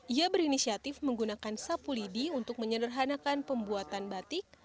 ia berinisiatif menggunakan sapu lidi untuk menyederhanakan pembuatan batik